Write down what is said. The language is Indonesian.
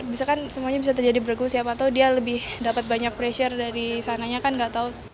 bisa kan semuanya bisa terjadi bregu siapa tau dia lebih dapat banyak pressure dari sananya kan nggak tahu